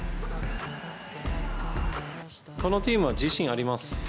このチームは自信あります。